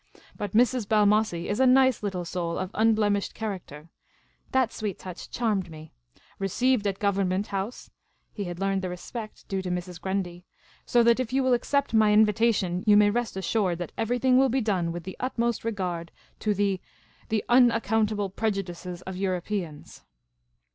But Mrs. Balmossie is a nice little soul, of unblemished character "— that sweet touch charmed me —" received at Government House "— he had learned the respect due to Mrs. Grundy —" so that if you will accept my invitation, you may rest assured that every thing will be done v.'ith the utmost regard to the — the unac countable prejudices of Europeans."